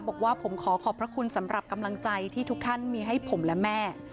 บอกว่าผมขอขอบพระคุณสำหรับกำลังใจที่ทุกท่านมีให้ผมและแม่